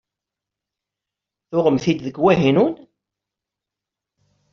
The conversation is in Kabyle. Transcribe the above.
Tuɣem-tt-id deg Wahinun?